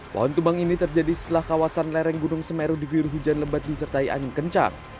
pohon tumbang ini terjadi setelah kawasan lereng gunung semeru diguyur hujan lebat disertai angin kencang